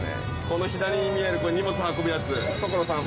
この左に見える荷物運ぶやつ所さん